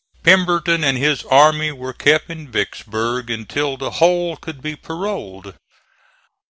Pemberton and his army were kept in Vicksburg until the whole could be paroled.